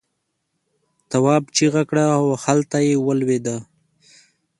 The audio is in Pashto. تواب چیغه کړه او خلته یې ولوېده.